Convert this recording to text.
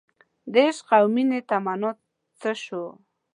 دعشق او مینې تمنا څه شوه